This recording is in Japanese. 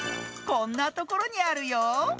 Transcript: こんなところにあるよ。